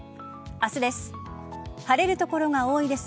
明日です。